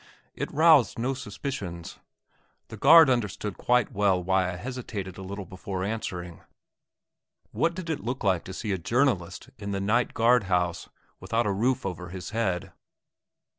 It roused no suspicions. The guard understood quite well why I hesitated a little before answering. What did it look like to see a journalist in the night guard house without a roof over his head?